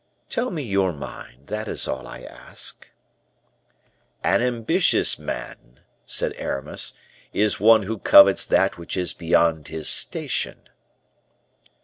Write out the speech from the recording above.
Tell me your mind; that is all I ask." "An ambitious man," said Aramis, "is one who covets that which is beyond his station."